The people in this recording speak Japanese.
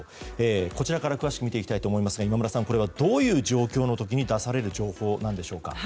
こちらから詳しく見ていきたいと思いますが今村さん、これはどういう状況の時に出される情報なんでしょうか。